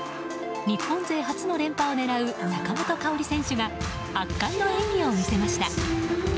日本勢初の連覇を狙う坂本花織選手が圧巻の演技を見せました。